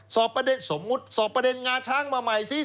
สอบประเด็นสมมุติสอบประเด็นงาช้างมาใหม่ซิ